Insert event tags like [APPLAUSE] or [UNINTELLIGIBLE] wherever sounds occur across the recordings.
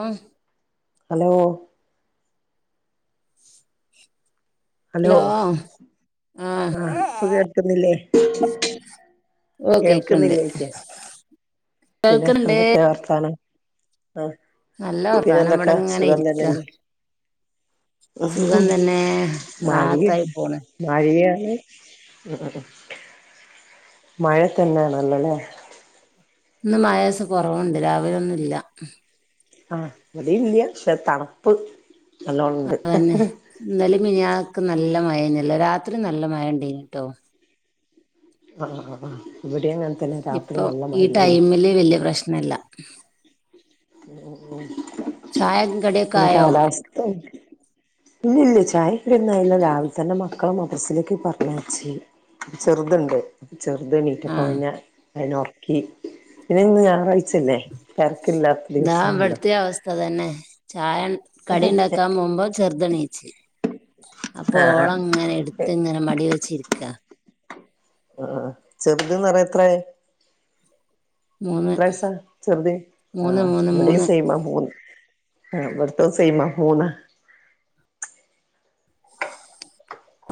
ഓഹ് hello hello ആഹ് ഇപ്പൊ കേൾക്കുന്നില്ലേ ഓഹ് കേക്ക്ണ്ട് കേൾക്കുന്നില്ലേ ചോയ്ക്കാ പിന്നെ കേൾക്ക്ണ്ട് എന്തൊക്കെയ വർത്താനം ആഹ് നല്ല പിന്നെ വർത്താനം ഇബടെ എന്തൊക്കാ ഇങ്ങനെ സുഖം ഇരിക്കാ തന്നെയല്ലേ സുഖം തന്നെ റാഹത്തായി പോണ് [UNINTELLIGIBLE] ഉം ഉം ഉം മഴ തന്നാണല്ലോലേ. ഇന്ന് മഴ ലേസം കൊറവ്ണ്ട് രാവിലൊന്ന്ല്ലാ ആഹ് ഇവടീല്ല പക്ഷെ തണപ്പ് അതന്നെ ഇന്നലീ മിനിഞ്ഞാന്നൊക്കെ നല്ല മഴേന്നല്ലേ രാത്രി നല്ല മഴണ്ടേനിട്ടോ. ആഹ് ആഹ് ഇവിടെം അങ്ങനെ തന്നെ രാത്രി ഇപ്പൊ നല്ല ഈ മഴണ്ടേനി ടൈമില് വെല്ല്യ പ്രശ്നല്ല. ഓഹ് ഓഹ് ചായേം കടി ഒക്കെ പിന്നെ കാലാവസ്ഥ ഇല്ലില്ല ചായക്കടി ഒന്നായീല്ല രാവിലെ തന്നെ മക്കളെ മദ്രസിലേക്ക് പറഞ്ഞയ്ച്ച് ചെറുത്ണ്ട് ചെറുതെണീറ്റപ്പം ആഹ് പിന്നെ അയ്നൊറക്കി പിന്നെന്ന് ഞാറാഴ് ച ല്ലേ തെരക്കില്ലാത്ത ദിവസാണല്ലോ ഇപ്പതന്നെ ചായ കടിണ്ടാക്കാൻ പോവുമ്പോ ചെർതെണീച്ച് അപ്പൊ ആഹ് ആഹ് ഓളങ്ങനെ എടുത്ത്ങ്ങനെ മടീ വെച്ചിര്ക്കാ ആഹ് ചെറുതിന്ന് പറയ് എത്രായി മൂന്ന് എത്ര വയസ്സാ ചെറുതിന് മൂന്ന് ആഹ് മൂന്ന് ഇവിടേം മൂന്ന് സെയ്മാ മൂന്ന് ആഹ് ഇവട്ത്തെ സെയ്മാ മൂന്ന്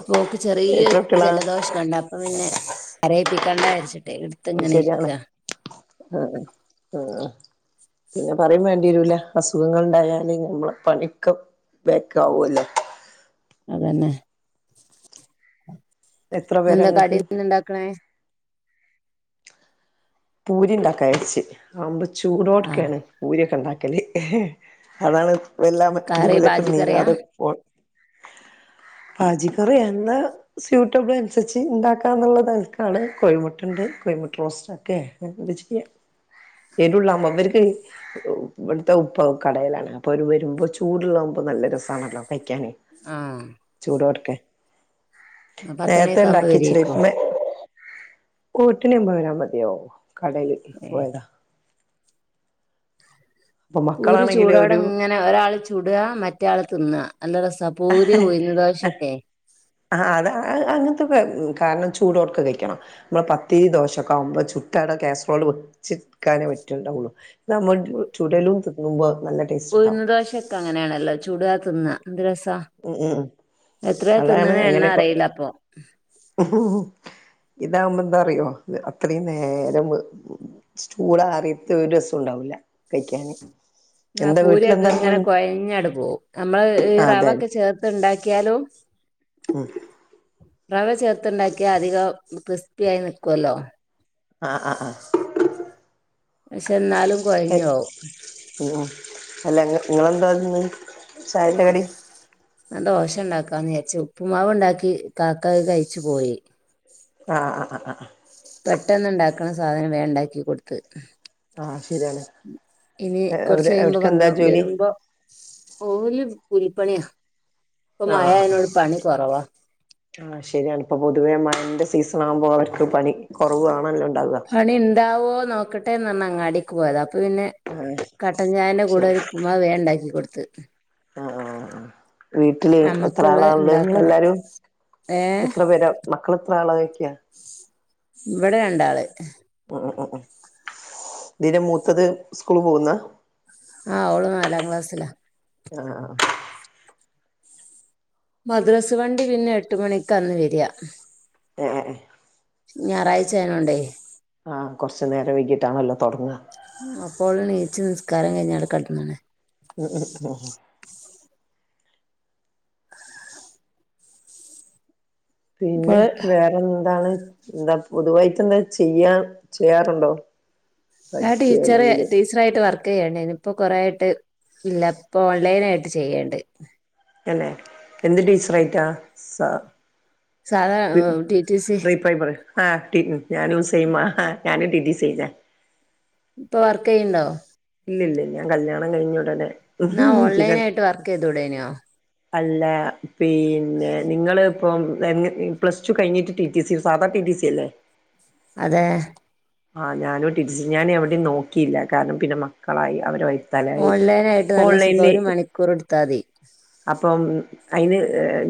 അപ്പോക്ക് ചെറിയ എത്ര കുട്ടികളാ ജലദോഷം ഒക്കെണ്ട് അപ്പൊ പിന്നെ കരയിപ്പിക്കാണ്ടാരിച്ചിട്ടേ എട് അയ് ശെരി ആണ് ആഹ് ആഹ് പിന്നെ പറയും വേണ്ട്യേരൂല അസുഖങ്ങള്ണ്ടായാല് ഞമ്മളെ പണ്യൊക്കെ ബേക്കാവൂലേ അതന്നേ എത്ര പേരാ എന്താ കടി ഇങ്ങക്ക് എന്താ ഇണ്ടാക്ക്ണേ? പൂരിണ്ടാക്കാര്ച്ച് അഹ് ആവുമ്പം ആഹ് ചൂടോട്ക്കേണ്. പൂര്യൊക്കെണ്ടാക്കല് അതാണ് വെല്ലാ കറി ബാജി ഇതിമ്മലേക്കും കറിയാ നീങ്ങാതെ പോ ബാജിക്കറിയാ എന്താ സ്യൂട്ടബിൾ അന്സരിച്ച് ഇണ്ടാക്കാന്ന്ള്ള തൽക്കാണ് കോഴ്മുട്ടണ്ട് കോഴ്മുട്ട റോസ്റ്റാ ക്കേ എന്തേ ചെയ്യാ എരുള്ളാവ്മ്പം ഇവര്ക്ക് ഇവടുത്തെ ഉപ്പ കടേലാണ് അപ്പൊ അവര് വരുമ്പോ ചൂട്ള്ളാവുമ്പോ നല്ല രസാണല്ലോ കയ്ക്കാനേ ആഹ് ചൂടോട്ക്കെ. പത്തണിയൊക്കെ ആവുമ്പോ നേരത്തേണ്ടാക്കിച്ച്ലെ വരേക്കും ഓ എട്ടണ്യാവുമ്പ വരാൻ മത്യാവൂ കടേല് ഏഹ് പോയതാ. അപ്പൊ പൂരി മക്കളാണെങ്കില് ഒരു ചൂടോടെങ്ങനെ ഒരാള് ചൂട്വാ മറ്റേ ആള് തിന്ന നല്ല രസാ ഹ പൂരി ഹ ഉഴുന്ന് ഹ. ദോശൊക്കെ ആഹ് അതാ അങ്ങൻത്തൊക്കെ കാരണം ചൂടോട്ക്കെ കയ്ക്കണം. മ്മളെ പത്തിരി ദോശൊക്കാവുമ്പോ ചുട്ടവ്ടെ കാസ്റോള് വെച്ചിക്കാനേ പറ്റോണ്ടാവുള്ളു. ഇതാവുമ്പോ ചുടലും തിന്നുമ്പ നല്ല ടേസ്റ്റ് ഉണ്ടാവും ഉഴ്ന്ന് ദോശൊക്കെ അങ്ങന്യാണല്ലോ ചൂട തിന്ന എന്ത് രെസാ ഉം ഉം എത്രാ തിന്ന്ണെ എണ്ണറീലപ്പൊ. ഇതാവുമ്പ എന്താറിയോ അത്രേം നേരം ചൂടാറിത്ത് ഒരു രസൂണ്ടാവൂല്ല കയ്ക്ക്യാന് ആഹ് പൂര്യൊക്കെങ്ങനെ കൊഴഞ്ഞാട് പോവും അമ്മള് ഈ ആ അതെ റവൊക്കെ ചേർത്ത്ണ്ടാക്ക്യാലും ഉം. റവ ചേർത്ത്ണ്ടാക്കിയ അധികം ക്രിസ്പ്യായി നിക്കല്ലോ. ആഹ് ആഹ് ആഹ്. പക്ഷെന്നാലും കൊഴഞ്ഞോവും. ഉം അല്ല ഇങ്ങളെന്താന്ന് ചായൻ്റെ കടി? ഞാൻ ദോശണ്ടാക്കാന്ന് വിചാരിച്ച് ഉപ്പ്മാവ്ണ്ടാക്കി കാക്ക അയ് കയ്ച്ച് പോയി. ആഹ് ആ ഹ് ആഹ് ആഹ് ആഹ് പെട്ടെന്നുണ്ടാക്കണ സാധനം വേഗം ണ്ടാക്കി കൊടുത്ത് ആ ആ ശരിയാണ് ഇനി കുറച്ച് അവര് കഴിയുമ്പോ അവർക്കെന്താ വന്നു ജോലി വരുമ്പോ ഓല് കുലിപ്പണിയാ ഇപ്പൊ മഴ ആഹ് ആയെനോട് പണി കുറവാ ആഹ് ശരിയാണ് ഇപ്പൊ പൊതുവേ മഴന്റെ സീസൺ ആവുമ്പോ അവർക്ക് പണി കുറവണല്ലോ ണ്ടാവുക പണി ഉണ്ടാവോ നോക്കട്ടെ ന്ന പറഞ്ഞ അങ്ങാടേക്ക് പോയത് അപ്പൊ പിന്നെ ആഹ് കട്ടൻചായന്റെ ശരി കൂടെ ഒരു ഉപ്പുമാവ് വേണ്ടാക്കി കൊടുത്ത് ആഹ് വീട്ടില് എത്ര നമ്മക്കുള്ള ആളാണുള്ളത് ഉണ്ടാക്കണം എല്ലാരും ഏഹ് എത്ര പേരെ മക്കളെത്ര ആള ചോയ്ക്കാ ഇവിടെ രണ്ടാള് ആഹ് ആഹ് ദിന് മൂത്തത് സ്കൂള് പോകുന്ന ആഹ്ഓള നാലാം ക്ലാസ്സിലാ ആഹ് മദ്രസ് വണ്ടി പിന്നെ എട്ട് മണിക്ക് ന്ന് വര ആഹ് ആഹ് ഞായറാഴ്ചയനോണ്ടേ ആഹ് കുറച്ച നേരം വഴകിയിട്ടാണല്ലോ തുടങ്ങ അപ്പോള് നീച്ച് നിസ്കാരം കഴിഞ്ഞാൽ കടന്ന് ണ് ഉം ഉം ഉം പിന്നെ അപ്പോൾ വേറെന്താണ് എന്താ പൊതുവായിട്ട് എന്താ ചെയ്യാ ചെയ്യാറുണ്ടോ ഞാൻ പഠിക്ക ടീച്ചറെ അല്ലെങ്കില് ടീ ച്ചറായിട്ട് വർക്ക് ചെയ്യണ്ടേനിയിപ്പോ കൊറേയായിട്ട് ഇല്ല ഇപ്പൊ ഓൺലൈൻ ആയിട്ട് ചെയ്യണ്ട് അല്ലെ എന്ത് ടീച്ചറായിട്ടാ സ സാധാ pre T T C primary ആഹ് ഞാനും സെയിം ആഹ് ഞാനും ടി റ്റി സി ചെയ്തേ ഇപ്പൊ വർക്ക് ചെയ്യണ്ടോ ഇല്ല ഇല്ല ഞാൻ കല്യാണം കഴിഞ്ഞ ഉടനെ എന്നാ പിന്നെ ഓൺലൈനായിട്ട് വർക്ക് ചെയ്തൂടേനോ അല്ല പിന്നെ നിങ്ങള് ഇപ്പം പ്ലസ് ടു കഴിഞ്ഞിട്ട് റ്റി റ്റി സി സാധാ റ്റി റ്റി സിയല്ലേ അതെ ആഹ് ഞാനും റ്റി റ്റി സി ഞാനെവിടെയും നോക്കിയില്ല കാരണം പിന്നെ മക്കളായി അവരെ വൈത്താലായി ഓൺലൈനയിട്ട് ഇപ്പൊ നല്ല സുഖം ഓൺലൈനില് ഒരു മണിക്കൂർ എടുത്താൽ മതി അപ്പം അതിന്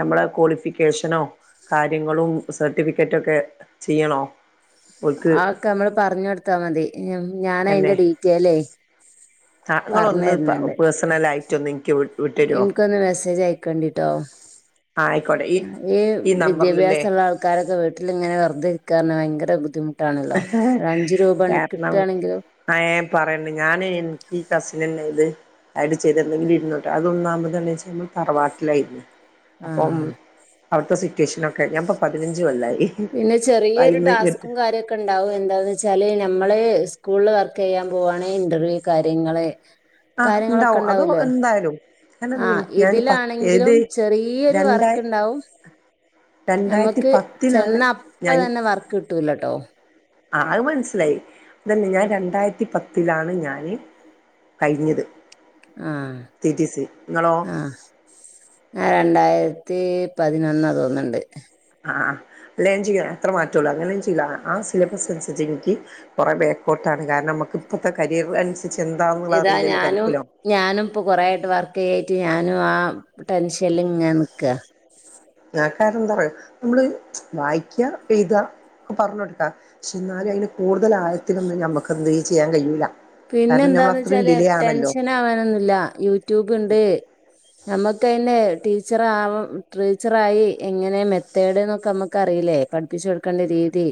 നമ്മളെ ക്വാളിഫിക്കേഷനോ കാര്യങ്ങളും സർട്ടിഫിക്കറ്റ് ഒക്കെ ചെയ്യണോ ഓൽക്ക് ആൾക്ക് അങ്ങനെ പറഞ്ഞൊടുത്താ മതി ഞാനയിന്റെ ഡീറ്റെയിലേ ആഹ് പറഞ്ഞു ഞങ്ങളൊന്ന് തരുന്നുണ്ട് പേഴ്സണലയിട്ട് ഒന്ന് എനിക്ക് വിട്ടരുവോ എനിക്കൊന്ന് മെസ്സേജ് അയക്കോണ്ടിട്ടോ ആ ആയിക്കോട്ടെ ഈ വിദ്യാഭ്യാസമുള്ള ആൾക്കാരൊക്കെ വീട്ടിലിങ്ങനെ വെറുതെയിരിക്കാ പറഞ്ഞാ ഭയങ്കര ബുദ്ധിമുട്ടാ ട്ടാണല്ലോ ഒര് അഞ്ച് രൂപ കിട്ടുകയാണെങ്കിൽ ആഹ് പറയേ ഞാനേ എനിക്ക് ഈ കസിനന്നെ ഇത് അതിട്ട് ചെയ്തിരുന്നെങ്കിൽ ഇരുന്നൂട്ടേ അതൊന്നാമതാണെ വെച്ച നമ്മൾ തറവാട്ടിലായിരുന്നു അപ്പം ആഹ് അവിടുത്തെ സിറ്റുവേഷനൊക്കെ ഞാനിപ്പോ പതിനഞ്ച് കൊല്ലായി പിന്നെ ചെറിയൊരു അയിന്ന് എടുത്ത് ടാസ്കും കാര്യൊ ക്കെ ഉണ്ടാവും എന്താന്ന് വെച്ചാല് നമ്മള് സ്കൂളിൽ വർക്ക് ചെയ്യാൻ പോവയാണ് ഇന്റർവ്യൂ കാര്യങ്ങള് കാര്യങ്ങളൊക്കെ ഉണ്ടാവൂല്ലോ ഹലോ ആഹ് ഇതിലാണെങ്കിലും ചെറിയൊരു രണ്ടായി വർക്ക് ഇണ്ടാവും രണ്ടായിരത്തി നമ്മുക്ക് പത്തിലാണ് ചെന്ന അപ്പൊ ഞാൻ തന്നെ വർക്ക് കിട്ടൂലാട്ടോ അത് മനസ്സിലായി അതന്നെ ഞാൻ രണ്ടായിരത്തി പത്തിലാണ് ഞാന് കഴിഞ്ഞത് ആഹ് ടി ടി സി നിങ്ങളോ ആഹ് ഞാൻ രണ്ടായിരത്തി പതിനാറ് തോന്നണ്ട് ആഹ് അല്ല ചെയ്യ അത്ര മാറ്റേള്ളൂ അങ്ങന ചെയ്യ ആഹ് സിലബസ് അനുസരിച്ച് എനിക്ക് കുറെ ബാക്കോട്ടാണ് കാരണം നമുക്ക് ഇപ്പഴത്തെ കരിയർ അനുസരിച്ച് എന്താന്നുള്ള ഇതാ ഞാനും അറിയതല്ലാതരിക്കൂലോ ഞാനും ഇപ്പൊ കുറേ ആയിട്ട് വർക്ക് ചെയ്യായിട്ട് ഞാനും ആഹ് ടെൻഷനിൽ ഇങ്ങനെ നിൽക്കുക ആഹ് കാരണം എന്താ പറയാ നമ്മള് വായിക്കാ എഴുതാ പറഞ്ഞൊടുക്കാ പക്ഷെ എന്നാലും അതിന്റെ കൂടുതൽ ആയത്തിലൊന്നും ഞമ്മക്ക് എന്ത് ചെയ്യാൻ കഴിയൂല പിന്നെ കാരണം നമ്മൾ എന്താന്ന് അത്രയും വെച്ചാല് ഡിലേ ആണല്ലോ ടെൻഷൻ ആവാനൊന്നുമില്ല യൂട്യൂബ് ഉണ്ട് നമുക്ക് അതിന്റെ ടീച്ചറ് ആവാ ടീച്ചറായി എങ്ങനെ മെത്തേഡ് എന്നൊക്കെ നമ്മുക്കറിയില്ലേ പഠിപ്പിച്ചു കൊടുക്കേണ്ട രീതി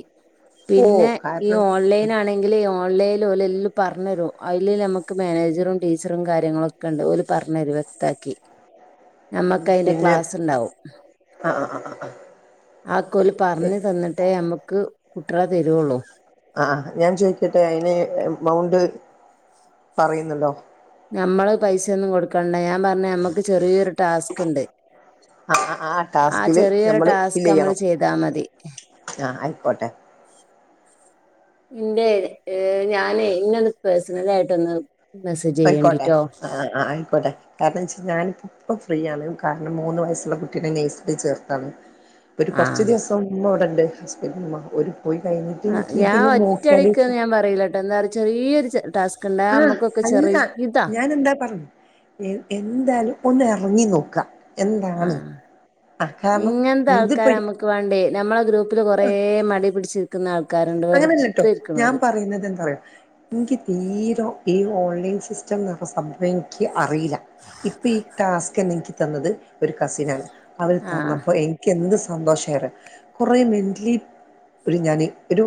ഓ പിന്നെ ഈ കാരണം ഓൺലൈൻ ആണെങ്കില് ഈ ഓൺലൈൻ പോലെ പറഞ്ഞ് തരും അതില് നമുക്ക് മാനേജറും ടീച്ചറും കാര്യങ്ങളും ഒക്കെ ഉണ്ട് പറഞ്ഞു തരും വ്യക്താക്കി നമ്മക്ക് അതിന്റെ പിന്നെ ക്ലാസ്സുണ്ടാവും ആ ആ ആ അതൊക്കെ ഓല് ആ പറഞ്ഞു തന്നിട്ടേ നമുക്ക് കുട്ടിയോളെ തരുള്ളൂ ആഹ് ഞാൻ ചോയിക്കട്ടെ അതിന് എമൗണ്ട് പറയുന്നുണ്ടോ നമ്മള് പൈസയൊന്നും കൊടുക്കണ്ട ഞാൻ പറഞ്ഞ് നമ്മുക്ക് ചെറിയൊരു ടാസ്ക് ഉണ്ട് ആ ആ ടാസ്കില് ചെറിയൊരു നമ്മള് ടാസ്ക് ഫില്ല് ചെയ്യണോ നമ്മള് ചെയ്താ മതി ആഹ് ആയിക്കോട്ടെ ഇന്റെ ഞാനേ ഇന്നെ ഒന്ന് പേഴ്സണലായിട്ട് ഒന്ന് പൊയ്ക്കോട്ടെ ആ ആ ആയിക്കോട്ടെ കാരണം വെച്ചാ ഞാനിപ്പ ഇപ്പൊ ഫ്രീയാണ് കാരണം മൂന്ന് വയസ്സുള്ള കുട്ടീനെ നഴ്സറി ചേർത്താണ് ഒരു കുറച്ച് ആഹ് ദിവസം ഉമ്മ ഇവടെ ഉണ്ട് ഹസ്ബൻന്റിന്റെ ഉമ്മ ഒര് പോയി കഴിഞ്ഞിട്ട് എനിക്ക് ഇതില് നോക്കിയാലേ വെച്ച ടന്നാര് ചെറിയൊരു ടാസ്ക് ഉണ്ട് ആഹ് നമ്മുക്കൊക്കെ അല്ല ചെറിയതാ ഞാൻ എന്താ പറഞ്ഞു എന്താലും ഒന്ന് ഇറങ്ങി നോക്കാ എന്താണ് ആഹ് ആഹ് കാരണം ഇങ്ങനത്തെ ആൾക്കാരെ ഇതിപ്പോഴി നമ്മുക്ക് വേണ്ടേ നമ്മളെ ഗ്രൂപ്പില് കുറേ മടി പിടിച്ചിരിക്കുന്ന ആൾ അങ്ങനെയല്ല കേട്ടോ ഞാൻ പറയുന്നത് എന്ത പറയാ എനിക്ക് തീര ഈ ഓൺലൈൻ സിസ്റ്റംന്ന്ള്ള സംഭവെ അറിയില്ല ഇപ്പൊ ഈ ടാസ്ക് എനിക്ക് തന്നത് ഒരു കസിനാണ് അവര് ആഹ് തന്നപ്പോ എനിക്ക് എന്ത് സന്തോഷമായിന്നറിയോ കൊറെ മെന്റലി ഒരു ഞാൻ ഒരു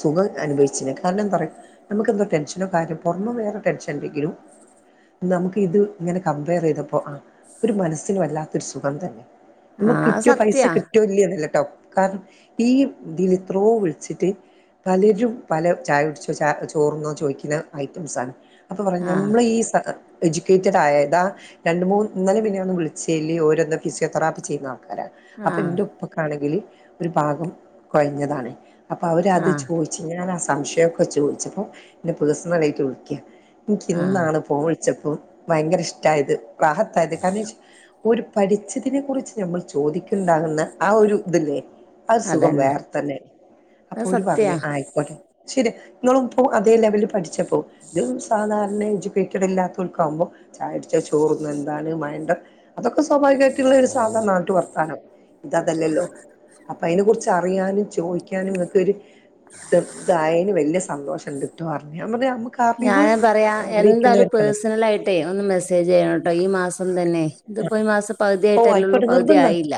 സുഖം അനുഭവിച്ചന് കാരണം എന്താ അറിയോ നമുക്ക് എന്തോ ടെൻഷനോ കാര്യോ പുറമെ വേറെ ടെൻഷൻ ഉണ്ടെങ്കിലും നമുക്ക് ഇത് ഇങ്ങനെ കമ്പയർ ചെയ്തപ്പോ ആ ഒരു മനസ്സിന് വല്ലാത്ത ഒരു സുഖം തന്നെ നമുക്ക് ആഹ് അത് കിട്ടിയോ പൈസ സത്യാ കിട്ടിയോ ഇല്ലയെന്നല്ലട്ടോ കാരണം ഈ ഇതിൽ ഇത്രോ വിളിച്ചിട്ട് പലരും പല ചായ കുടിച്ചോ ച ചോർന്നോ ചോദിക്കുന്ന ഐറ്റംസ്ആണ് അപ്പ പറഞ് ആഹ് നമ്മൾ ഈ സ എഡ്യൂക്കേറ്റഡ് ആയതാ രണ്ട് മൂന്ന് ഇന്നലെ മിനി ങ്ങാന്ന് വിളിച്ചതില് ഓരോന്തോ ഫിസിയോ തെറാപ്പി ചെയ്യുന്ന ആൾക്കാരാണ് അപ്പൊ ആഹ് എന്റെ ഉപ്പക്കാണെങ്കില് ഒരു ഭാഗം കുഴഞ്ഞതാണ് അപ്പൊ അവരത് ആഹ് ചോയി ചെയ്യണ സംശയം ഒക്കെ ചോദിച്ചപ്പോ എന്നെ പേഴ്സണലായിട്ട് വിളിക്ക എനക്ക് ആഹ് ഇന്നാണ് ഫോ വിളിച്ചപ്പോ ഭയങ്കര ഇഷ്ടമായത് റാഹത്തായത് കാരണം ഒരു പഠിച്ചതിനെ കുറിച്ച് നമ്മൾ ചോദിക്കണ്ടാകുന്ന ആ ഒരു ഇതില്ലേ അത് സുഖം അതന്നെ വേറെ തന്നെയാണ് അപ്പൊ അത് ഓര് സത്യാ പറഞ്ഞു ആയിക്കോട്ടെ ശരി നിങ്ങള ഇപ്പോ അതേ ലെവലില് പഠിച്ചപ്പോ ഇതും സാധാരണ എഡ്യൂക്കേറ്റഡ് ഇല്ലാത്ത ഓൽക്കാകുമ്പോ ചാടിച്ച ചോറന്ന എന്താണ് മഴണ്ട അതൊക്കെ സ്വാഭാവികമായിട്ടുള്ള ഒരു സാദാരണ ആയിട്ടുള്ള വർത്താനം ഇത് അതല്ലല്ലോ അപ്പൊ അതിനെ കുറിച്ച് അറിയാനും ചോദിക്കാനും ഒക്കെ ഒരു ഇതായന് വലിയ സന്തോഷ ഉണ്ട് ട്ട് പറഞ്ഞു ഞാൻ പറഞ്ഞു നമ്മക്ക് ഞാൻ പറയാ എന്താലും പേഴ്സണലായിട്ടേ ഒന്ന് മെസ്സേജ് ചെയ്യണട്ടോ ഈ മാസം തന്നെ ഇതിപ്പോ ഈ മാസം പകുതി ഓ ആയിട്ടല്ലേള്ളൂ ആയിക്കോട്ടെ പകുതി നിർബന്ധ ആയില്ല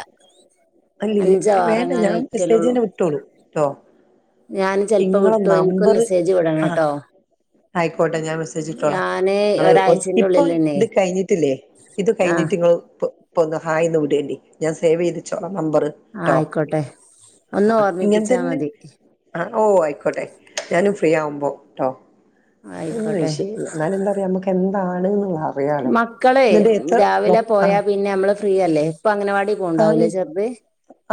അഞ്ചോ ആറോ വേണ്ട എങ്ങാനും ഞാൻ ആയിട്ടല്ലുള്ളൂ മെസ്സേജെന്നെ വിട്ടോളൂ ട്ടോ ഞാൻ ചെലപ്പോ നിങ്ങളെ വിട്ടോവും എനക്കൊന്ന് നമ്പറ് മെസ്സേജ് ആഹ് വിടണട്ടോ ആയിക്കോട്ടെ ഞാൻ മെസ്സജിട്ടോളാ ങ്ങള് ഒരാഴ്ചന്റെ ഇപ്പൊ ഉള്ളിൽ തന്നെ ഇത് കഴിഞ്ഞിട്ടില്ലേ ഇത് ആ കഴിഞ്ഞിട്ട് ഇങ്ങള് ഇപ്പൊന്ന് ഹായ്ന്ന് വിടേണ്ടി ഞാൻ സേവ് ചെയ്തിച്ചോളാം നമ്പറ് ട്ടോ ആയിക്കോട്ടെ ആ ഒന്ന് ആ ഇങ്ങനെ ഓർമ്മിപ്പിച്ചാ തന്നെ മതി ആ ഓ ആയിക്കോട്ടെ ഞാനും ഫ്രീ ആവുമ്പോ ട്ടോ ഒന്നും ആയിക്കോട്ടെ വിഷയില്ല എന്നാലുന്താ പറയാ നമുക്ക് എന്താണ് എന്നുള്ള മക്കളെ രാവിലെ പോയാ പിന്നെ നമ്മള് ഫ്രീയല്ലേ ഇപ്പൊ അങ്കണവാടി ആര്?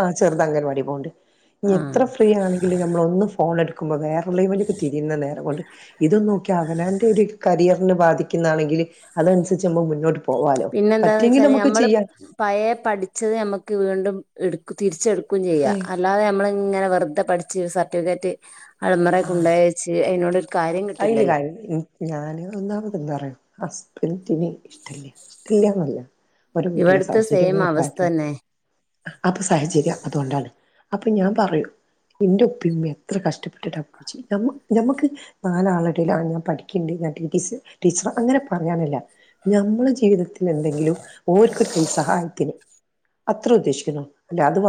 ആഹ് ചെറുത് അംഗനവാടിയില് പോവ്ണ്ട് ഇനി ആ എത്ര ഫ്രീ ആണെങ്കിലും നമ്മളൊന്ന് ഫോൺ എടുക്കുമ്പോ വേറെ ഇള്ളേമ്മിലേക്ക് തിരിയുന്ന നേരം കൊണ്ട് ഇതൊന്ന് നോക്കി അവനവന്റെ ഒരു കരിയറിന് ബാധിക്കുന്ന ആണെങ്കില് അതനുസരിച്ച് നമുക്ക് മുന്നോട്ട് പോ വാലോ പറ്റിയെങ്കില് നമക്ക് ചെയ്യാം പഴേ പഠിച്ചത് നമ്മുക്ക് വീണ്ടും എടുക്ക തിരിച്ചെടുക്കും ചെയ്യാ അല്ലാതെ നമ്മള്ങ്ങനെ വെറുതെ പഠിച്ച് സർട്ടിഫിക്കറ്റ് അൽമറെ കൊണ്ടോയെച്ച് അയിനോട് ഒരു കാര്യം അയ്ല് കിട്ടില്ലല്ലോ കാര്യല്ല ഉം ഞാന് ഒന്നാമത് എന്താ അറിയോ ഹസ്ബൻഡിന് ഇഷ്ട്ടല്യ ഇഷ്ട്ടല്ലാന്നല്ല ഓരെ വീട്ടിലെ ഇവിടുത്തെ സെയിം സാഹചര്യങ്ങൾ അവസ്ഥ കാരണം തന്നെ അത് സാഹചര്യം അതുകൊണ്ടാണ് അപ്പൊ ഞാൻ പറയും ഇന്റെ ഉപ്പിം, ഉമ്മിം എത്ര കഷ്ട്ടപ്പെട്ടിട്ടാ പഠിപ്പിച്ചെ ഞമ്മ ഞമ്മക്ക് നാലാളെ എടേല് ആഹ് ഞാൻ പഠിക്ക്ണ്ട് ഞാൻ ടി. ടി. സി ടീച്ചറാ അങ്ങനെ പറയാനല്ല നമ്മളെ ജീവിത ത്തിലെന്തെങ്കിലും ഓർക്കൊരു കൈ സഹായത്തിന് അത്രേ ഉദ്ദേശിക്കുന്നുള്ളു അല്ലാതെ അത് വാ